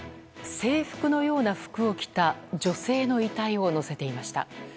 制服のような服を着た女性の遺体を乗せていました。